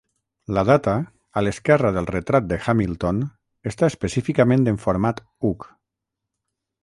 La data, a l'esquerra del retrat de Hamilton, està específicament en format "ug".